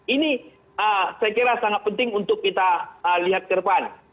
ini saya kira sangat penting untuk kita lihat ke depan